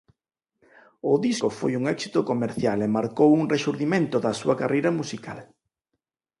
O disco foi un éxito comercial e marcou un rexurdimento da súa carreira musical.